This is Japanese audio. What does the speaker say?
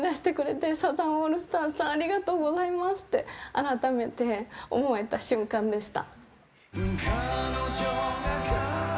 改めて思えた瞬間でした。